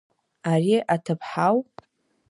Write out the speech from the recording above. Ари аҭыԥҳау?